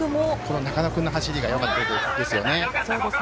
中野君の走りがよかったですよね。